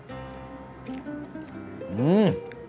うん！